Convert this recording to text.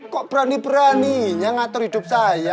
kok berani beraninya ngatur hidup saya